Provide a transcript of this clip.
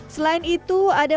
selain itu ada